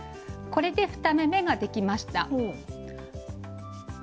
これで作り目ができました。